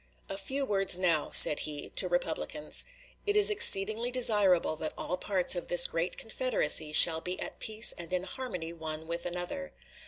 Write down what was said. A few words now [said he] to Republicans. It is exceedingly desirable that all parts of this great Confederacy shall be at peace and in harmony one with another.